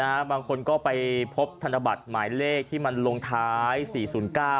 บางคนก็ไปพบธนบัตรหมายเลขที่มันลงท้ายสี่ศูนย์เก้า